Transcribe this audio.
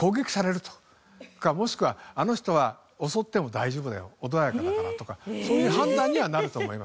もしくは「あの人は襲っても大丈夫だよ穏やかだから」とかそういう判断にはなると思います。